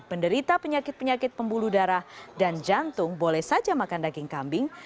penderita penyakit penyakit pembuluh darah dan jantung boleh saja makan daging kambing